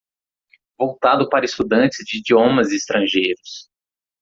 voltado para estudantes de idiomas estrangeiros.